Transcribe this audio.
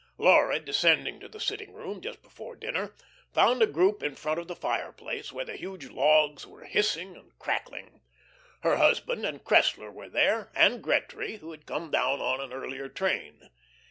Laura, descending to the sitting room, just before dinner, found a group in front of the fireplace, where the huge logs were hissing and crackling. Her husband and Cressler were there, and Gretry, who had come down on an earlier train.